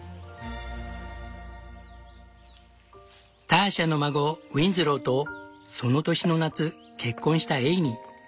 ターシャの孫ウィンズローとその年の夏結婚したエイミー。